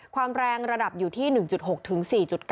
ความแรงระดับอยู่ที่๑๖๔๙